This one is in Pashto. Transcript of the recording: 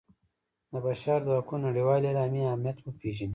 د بشر د حقونو نړیوالې اعلامیې اهمیت وپيژني.